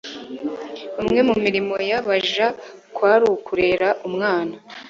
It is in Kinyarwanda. umwe mu mirimo y'abaja kwari ukurera abana